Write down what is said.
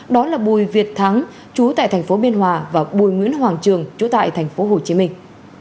đó là bùi việt thắng chú tại thành phố biên hòa và bùi nguyễn hoàng trường chú tại thành phố hồ chí minh